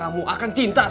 untuk suamin kekuatan